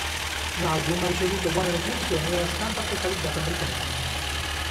L'album ha ricevuto buone recensioni dalla stampa specializzata britannica.